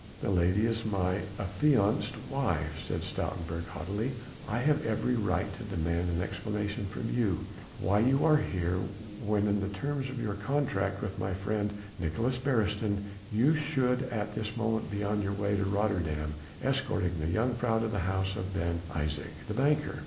"The lady is my affianced wife," said Stoutenburg haughtily, "I have every right to demand an explanation from you, why you are here when by the terms of your contract with my friend Nicolaes Beresteyn you should at this moment be on your way to Rotterdam, escorting the jongejuffrouw to the house of Ben Isaje, the banker....